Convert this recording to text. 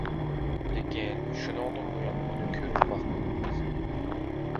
لېكىن... شۇنىڭدىن بۇيان ئۇنى كۆرۈپ باقمىدىم قىزىم.